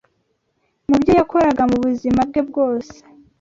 mu byo yakoraga mu buzima bwe bwose.